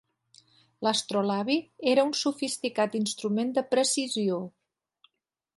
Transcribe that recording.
L'astrolabi era un sofisticat instrument de precisió.